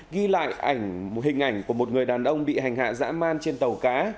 ghi lại ảnh hình ảnh của một người đàn ông bị hành hạ dã man trên tàu cá